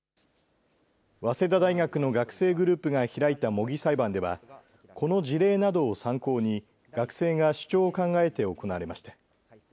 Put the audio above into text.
早稲田大学の学生グループが開いた模擬裁判ではこの事例などを参考に学生が主張を考えて行われました。